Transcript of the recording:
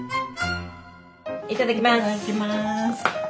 いただきます！